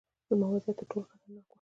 زما وضعیت ترټولو خطرناک و.